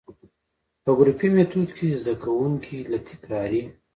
په ګروپي ميتود کي زده کوونکي له تکراري،